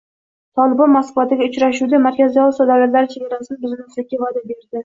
«Tolibon» Moskvadagi uchrashuvda Markaziy Osiyo davlatlari chegarasini buzmaslikka va'da berdi